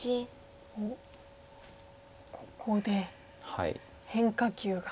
おっここで変化球が。